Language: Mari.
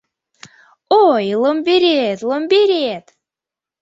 Ой, ломберет, ломберет